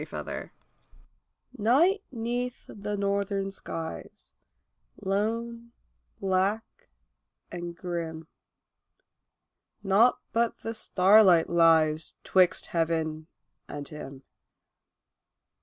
THE CAMPER Night 'neath the northern skies, lone, black, and grim: Naught but the starlight lies 'twixt heaven, and him.